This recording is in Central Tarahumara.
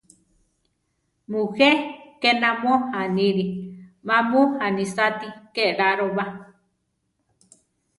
Mujé ke namó aníli; má mu anisáati ke laro ba.